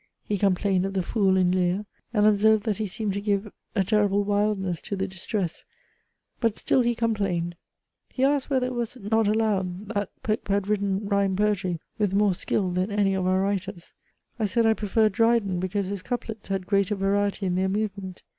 He complained of the fool in LEAR. I observed that he seemed to give a terrible wildness to the distress; but still he complained. He asked whether it was not allowed, that Pope had written rhymed poetry with more skill than any of our writers I said I preferred Dryden, because his couplets had greater variety in their movement.